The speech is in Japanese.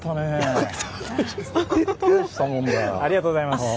ありがとうございます。